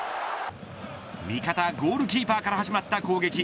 味方ゴールキーパーから始まった攻撃。